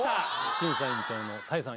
審査委員長の多江さん